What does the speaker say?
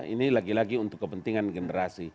ini lagi lagi untuk kepentingan generasi